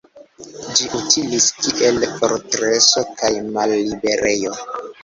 Ĝi utilis kiel fortreso kaj malliberejo.